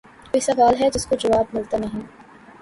کوئی سوال ھے جس کو جواب مِلتا نیں